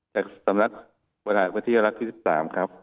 จากสำนักประหลาดพฤทธิรักษ์ที่สามครับ